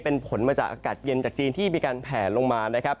เป็นผลมาจากอากาศเย็นจากจีนที่มีการแผลลงมานะครับ